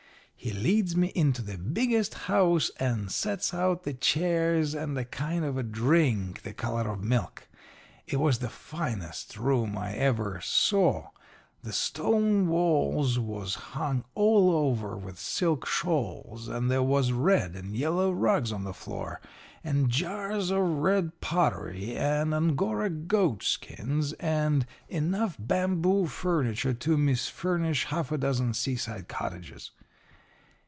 "He leads me into the biggest house, and sets out the chairs and a kind of a drink the color of milk. It was the finest room I ever saw. The stone walls was hung all over with silk shawls, and there was red and yellow rugs on the floor, and jars of red pottery and Angora goat skins, and enough bamboo furniture to misfurnish half a dozen seaside cottages.